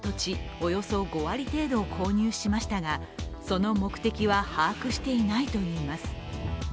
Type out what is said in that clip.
およそ５割程度を購入しましたがその目的は把握していないと言います。